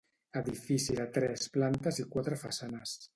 Edifici de tres plantes i quatre façanes.